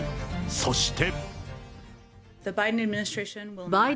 そして。